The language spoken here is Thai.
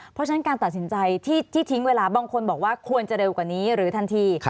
เพราะฉะนั้นการตัดสินใจที่ทิ้งเวลาบางคนบอกว่าควรจะเร็วกว่านี้หรือทันที